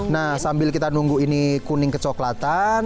nah sambil kita nunggu ini kuning kecoklatan